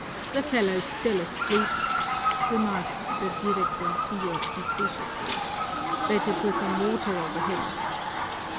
"The fellow's still asleep," remarked the directorcillo facetiously. "Better pour some water over him."